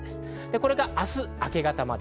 これが明日の明け方まで。